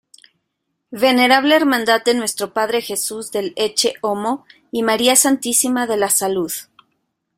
Venerable Hermandad de Nuestro Padre Jesús del Ecce-Homo y María Santísima de la Salud.